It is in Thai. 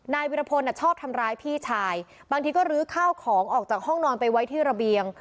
วิรพลชอบทำร้ายพี่ชายบางทีก็ลื้อข้าวของออกจากห้องนอนไปไว้ที่ระเบียง